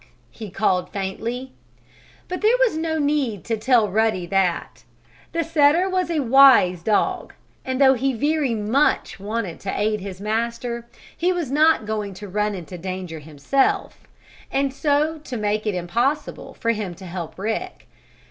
he called, faintly. But there was no need to tell Ruddy that. The setter was a wise dog, and though he very much wanted to aid his master, he was not going to run into danger himself, and so make it impossible for him to help Rick.